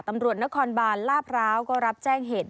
ตำรวจนครบาลลาดพร้าวก็รับแจ้งเหตุ